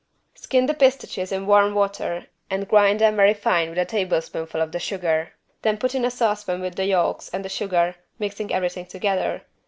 Skin the pistaches in warm water and grind them very fine with a tablespoonful of the sugar, then put in a saucepan with the yolks and the sugar, mixing everything together.